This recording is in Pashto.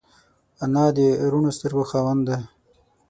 انا د روڼو سترګو خاوند ده